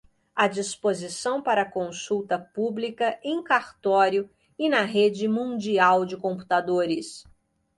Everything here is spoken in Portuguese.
à disposição para consulta pública em cartório e na rede mundial de computadores